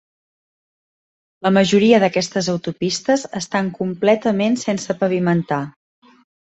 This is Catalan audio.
La majoria d'aquestes autopistes estan completament sense pavimentar.